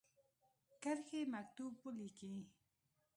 کرښې مکتوب ولیکی.